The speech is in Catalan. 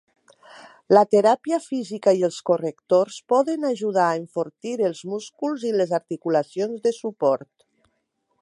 La teràpia física i els correctors poden ajudar a enfortir els músculs i les articulacions de suport.